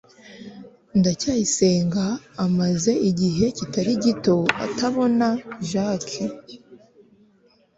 ndacyayisenga amaze igihe kitari gito atabona jaki